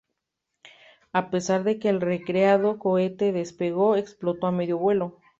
A pesar de que el recreado cohete despegó, explotó a medio vuelo.